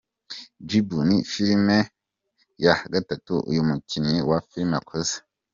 Jibu” ni filime ya gatatu uyu mukinnyi wa filime akoze.